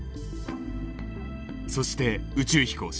そして宇宙飛行士。